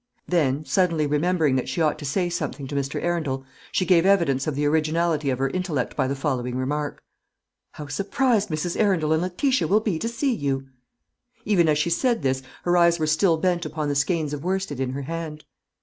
Then, suddenly remembering that she ought to say something to Mr. Arundel, she gave evidence of the originality of her intellect by the following remark: "How surprised Mrs. Arundel and Letitia will be to see you!" Even as she said this her eyes were still bent upon the skeins of worsted in her hand.